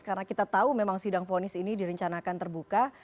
karena kita tahu memang sidang fonis ini direncanakan terbuka